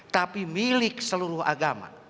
tapi milik seluruh agama